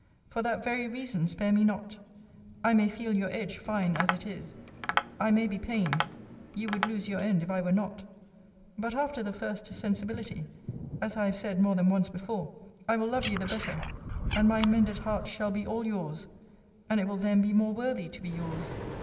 For that very reason spare me not. I may feel your edge, fine as it is. I may be pained: you would lose you end if I were not: but after the first sensibility (as I have said more than once before) I will love you the better, and my amended heart shall be all yours; and it will then be more worthy to be yours.